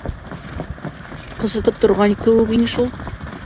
Ҡысытып торған кеүек ине шул.